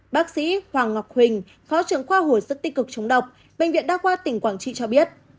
bác sĩ hoàng ngọc huỳnh phó trưởng khoa hồi sức tích cực chống độc bệnh viện đa khoa tỉnh quảng trị cho biết